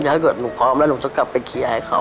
ถ้าเกิดหนูพร้อมแล้วหนูจะกลับไปเคลียร์ให้เขา